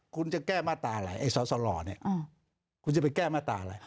คุณจะแก้มาตราอะไรไอ้สอสหล่อเนี่ยคุณจะไปแก้มาตราอะไร